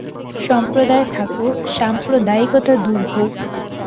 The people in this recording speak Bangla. সম্প্রদায় থাকুক, সাম্প্রদায়িকতা দূর হউক।